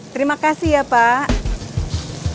terima kasih ya pak